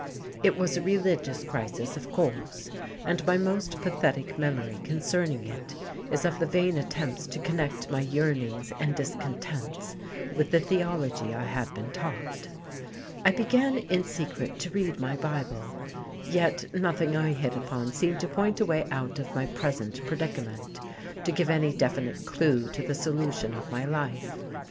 It was a religious crisis, of course, and my most pathetic memory concerning it is of the vain attempts to connect my yearnings and discontents with the theology I had been taught; I began in secret to read my Bible, yet nothing I hit upon seemed to point a way out of my present predicament, to give any definite clew to the solution of my life.